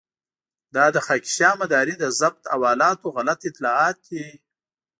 دا د خاکيشاه مداري د ضبط حوالاتو غلط اطلاعات دي.